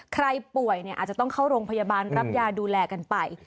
ใครป่วยเนี่ยอาจจะต้องเข้าโรงพยาบาลรับยาดูแลกันไป